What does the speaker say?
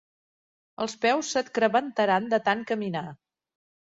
Els peus se't crebantaran de tant caminar.